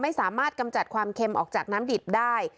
สามารถกำจัดความเค็มออกจากน้ำดิบได้